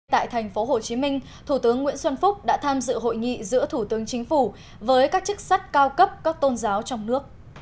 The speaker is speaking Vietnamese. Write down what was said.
tại thành phố hồ chí minh thủ tướng nguyễn xuân phúc đã tham dự hội nghị giữa thủ tướng chính phủ với các chức sách cao cấp các tôn giáo trong nước